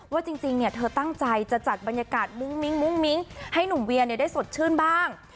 ว่าจริงเนี่ยเธอตั้งใจจะจัดบรรยากาศมึ้งมิ้งมึ้งมิ้งให้หนุ่มเวียเนี่ยได้สดชื่นบ้าง